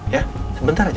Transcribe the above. ya sebentar aja